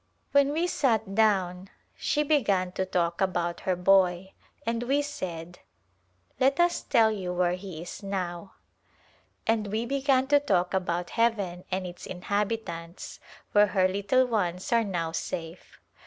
When we sat down she began to talk about her boy, and we said, " Let us tell you where [ H9] A Glimpse of India he is now,'* and we began to talk about heaven and its inhabitants, where her little ones are now safe.